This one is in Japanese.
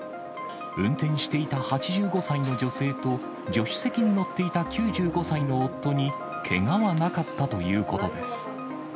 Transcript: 運転していた８５歳の女性と、助手席に乗っていた９５歳の夫にけがはなかったということです。